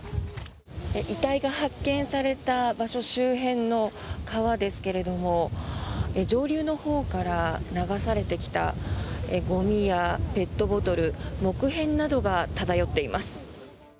遺体が発見された場所周辺の川ですけれども上流のほうから流されてきたゴミやペットボトル木片などが漂っています。